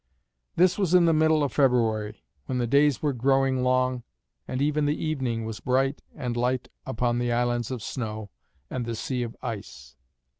This was in the middle of February, when the days were growing long, and even the evening was bright and light upon the islands of snow and the sea of ice.